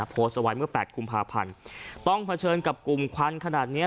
โพสต์เอาไว้เมื่อแปดกุมภาพันธ์ต้องเผชิญกับกลุ่มควันขนาดเนี้ย